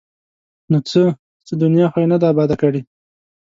ـ نو څه؟ څه دنیا خو یې نه ده اباد کړې!